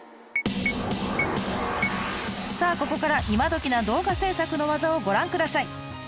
さあここから今どきな動画制作の技をご覧ください。